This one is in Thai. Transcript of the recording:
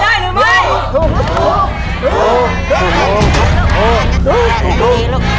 เงินแสนจะได้หรือไม่